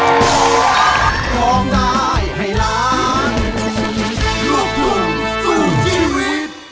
อ้ายคือปริญญาใจ